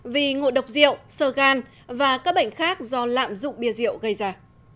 vì ngộ độc rượu sơ gan và các bệnh khác do lạm dụng bia rượu gây ra